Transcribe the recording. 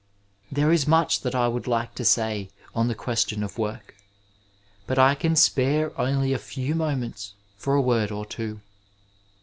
There is much that I would like to say on the question of work, but I can spare only a few moments for a word or two.